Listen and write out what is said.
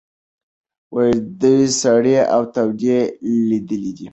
دوی سړې او تودې لیدلي دي.